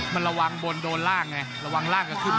มันระวังบนโดนล่างไงระวังล่างก็ขึ้น